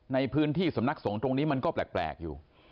ในพื้นที่สำนักสงฆ์ตรงนี้มันก็แปลกอยู่